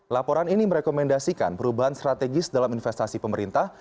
laporan ini merekomendasikan perubahan strategis dalam investasi pemerintah